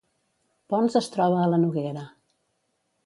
Ponts es troba a la Noguera